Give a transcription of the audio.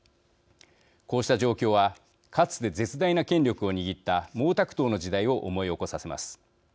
こうした状況はかつて絶大な権力を握った毛沢東の時代を思い起こさせます。